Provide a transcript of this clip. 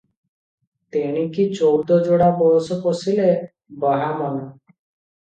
ତେଣିକି ଚଉଦ ଯୋଡ଼ା ବୟସ ପଶିଲେ ବାହା ମନା ।